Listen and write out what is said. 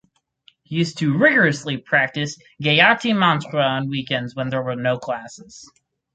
He used to rigorously practice Gayatri Mantra on weekends when there were no classes.